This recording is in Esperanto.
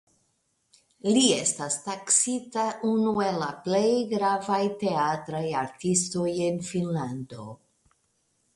Li estas taksita unu el la plej gravaj teatraj artistoj en Finnlando.